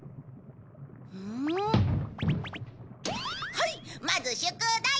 はいまず宿題。